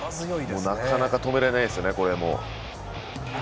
なかなか止められないですよね。